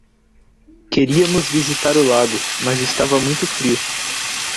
Queríamos visitar o lago, mas estava muito frio